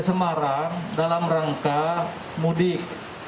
semarang dalam rangka mudik